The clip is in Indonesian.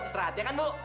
terus terhati ya kan bu